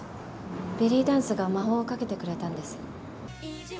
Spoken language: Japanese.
ベリーダンスが魔法をかけてくれたんです。